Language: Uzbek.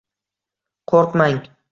Qo’rqmang!